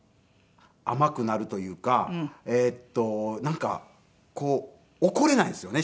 甘くなるというかなんかこう怒れないんですよね